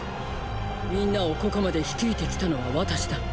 みんなをここまで率いてきたのは私だ。